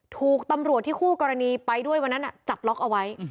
ถูกตำรวจที่คู่กรณีไปด้วยวันนั้นจับล็อกเอาไว้